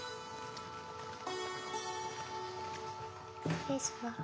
失礼します。